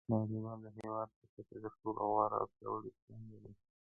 دا واليبال د هېواد په کچه تر ټولو غوره او پیاوړی ټیم لري.